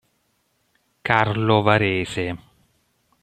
Carlo Varese